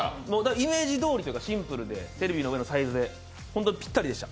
イメージどおりというか、シンプルでテレビの上に本当、ぴったりでした。